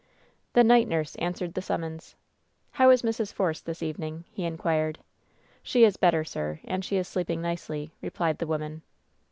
The night nurse answered the summons. "How is Mrs. Force this evening ?" he inquired. "She is better, sir, and she is sleeping nicely," replied the woman.